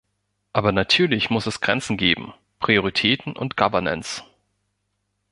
Aber natürlich muss es Grenzen geben, Prioritäten und Governance.